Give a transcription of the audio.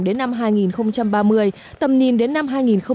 đến năm hai nghìn ba mươi tầm nhìn đến năm hai nghìn bốn mươi năm